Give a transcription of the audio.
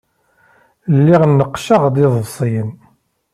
Lliɣ neqqceɣ-d iḍebsiyen.